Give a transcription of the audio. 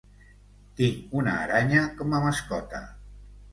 Tinc una aranya com a mascota.